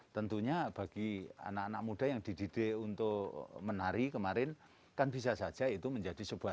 tentunya bagi anak anak muda yang dididik untuk menari kemarin kan bisa saja itu menjadi sebuah